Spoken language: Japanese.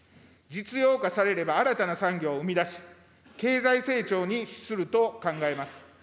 実用化されれば、新たな産業を生み出し、経済成長に資すると考えます。